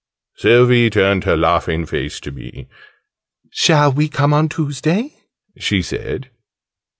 Sylvie turned her laughing face to me. "Shall we come on Tuesday?" she said.